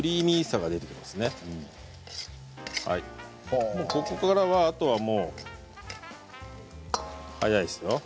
もうここからは、あとは早いですよ。